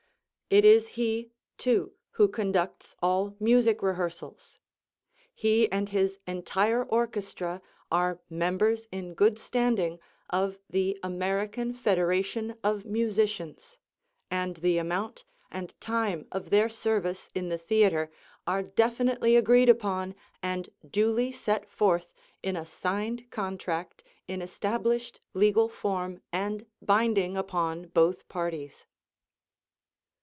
It is he, too, who conducts all music rehearsals. He and his entire orchestra are members in good standing of the American Federation of Musicians, and the amount and time of their service in the theatre are definitely agreed upon and duly set forth in a signed contract in established legal form and binding upon both parties.